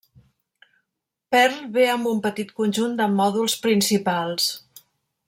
Perl ve amb un petit conjunt de mòduls principals.